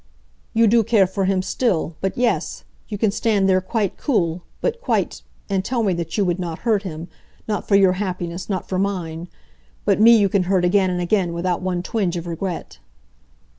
"You do care for him still. But yes! You can stand there, quite cool but quite and tell me that you would not hurt him, not for your happiness, not for mine. But me you can hurt again and again, without one twinge of regret."